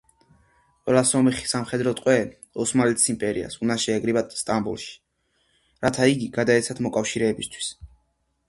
ყველა სომეხი სამხედრო ტყვე ოსმალეთის იმპერიას უნდა შეეკრიბა სტამბოლში, რათა იგი გადაეცათ მოკავშირეებისათვის.